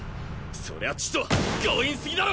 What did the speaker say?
そりゃちと強引すぎだろ！